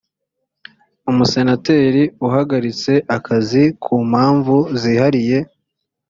umusenateri ahagaritse akazi ku mpamvu zihariye